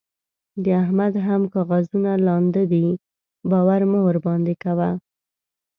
د احمد هم کاغذونه لانده دي؛ باور مه ورباندې کوه.